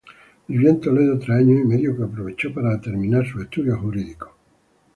Vivió en Toledo tres años y medio, que aprovechó para terminar sus estudios jurídicos.